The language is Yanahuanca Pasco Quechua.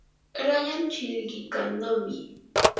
rayan chilqikannami.